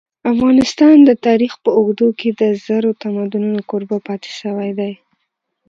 افغانستان د تاریخ په اوږدو کي د زرو تمدنونو کوربه پاته سوی دی.